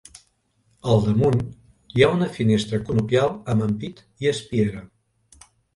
Al damunt hi ha una finestra conopial amb ampit i espiera.